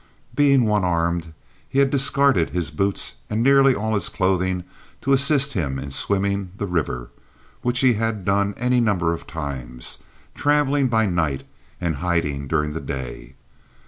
Being one armed, he had discarded his boots and nearly all his clothing to assist him in swimming the river, which he had done any number of times, traveling by night and hiding during the day.